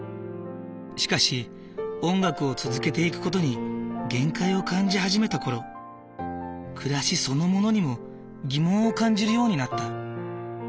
しかし音楽を続けていく事に限界を感じ始めた頃暮らしそのものにも疑問を感じるようになった。